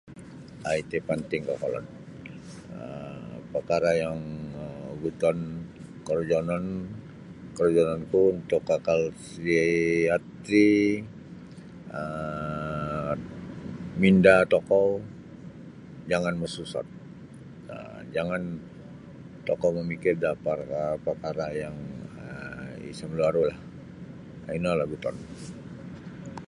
um Iti panting kokolod pakara yang guuton korojononku korojononku untuk kakal siat ti um minda tokou jangan masusot jangan tokou mamikir da parkara yang samaru-arulah. um Inolah guuton.